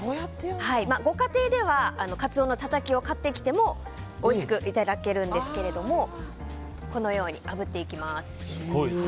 ご家庭ではカツオのたたきを買ってきてもおいしくいただけるんですけどもこのようにあぶっていきます。